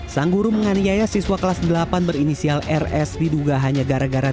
sang guru menganiaya siswa kelas delapan berinisial rs diduga hanya gara gara